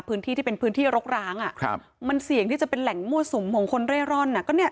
พื้นที่ที่เป็นพื้นที่รกร้างอ่ะครับมันเสี่ยงที่จะเป็นแหล่งมั่วสุมของคนเร่ร่อนอ่ะก็เนี่ย